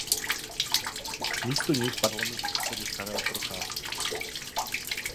Místo něj v parlamentu usedl Karel Procházka.